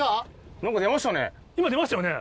なんか出ましたね。